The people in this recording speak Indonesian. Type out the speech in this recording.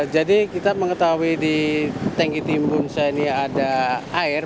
jadi kita mengetahui di tank itimun saya ini ada air